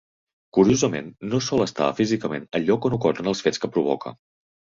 Curiosament, no sol estar físicament al lloc on ocorren els fets que provoca.